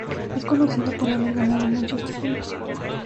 Es conocido por haber ganado muchos títulos.